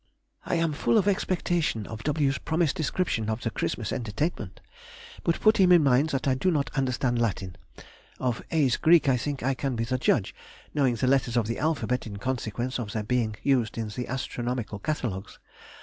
I am full of expectation of W.'s promised description of the Christmas entertainment; but put him in mind that I do not understand Latin. Of A's Greek, I think I can be a judge, knowing the letters of the alphabet in consequence of their being used in the astronomical catalogues....